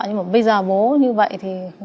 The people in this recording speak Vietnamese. nhưng mà bây giờ bố như vậy thì